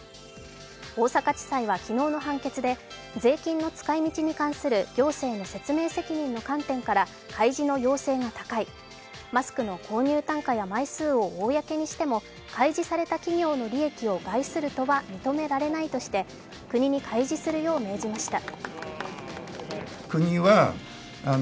大阪地裁は昨日の判決で税金の使い道に関する行政の説明責任の観点から開示の要請が高いマスクの購入単価や枚数を公にしても開示された企業の利益を害するとは認められないとして国に開示するよう命じました。